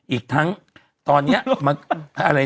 อีกทั้งตอนนี้อะไรเนี่ย